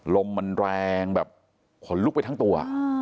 ลมมันแรงแบบขนลุกไปทั้งตัว